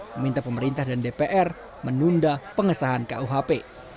meminta pemerintah dan dpr menunda pengesahan kuhp